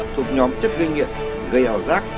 thuộc nhóm chất gây nghiện gây ảo giác